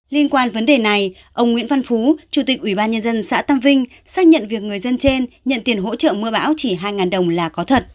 liên quan vấn đề này ông nguyễn văn phú chủ tịch ủy ban nhân dân xã tam vinh xác nhận việc người dân trên nhận tiền hỗ trợ mưa bão chỉ hai đồng là có thật